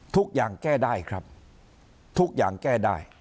ทุกอย่างแก้ได้ครับทุกอย่างแก้ได้